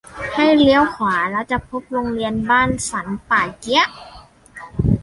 ให้เลี้ยวขวาแล้วจะพบโรงเรียนบ้านสันป่าเกี๊ยะ